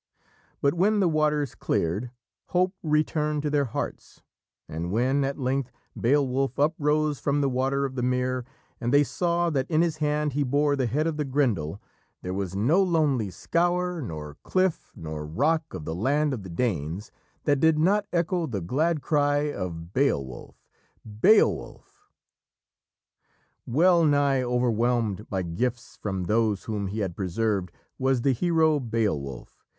But when the waters cleared, hope returned to their hearts, and when, at length, Beowulf uprose from the water of the mere and they saw that in his hand he bore the head of the Grendel, there was no lonely scaur, nor cliff, nor rock of the land of the Danes that did not echo the glad cry of "Beowulf! Beowulf!" Well nigh overwhelmed by gifts from those whom he had preserved was the hero, Beowulf.